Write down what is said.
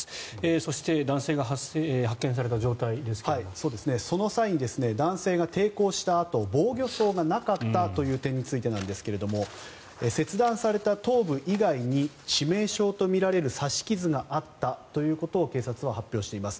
そして男性が発見された時の状況ですがその際に男性が抵抗した痕防御創がなかったという点についてですが切断された頭部以外に致命傷とみられる刺し傷があったということを警察は発表しています。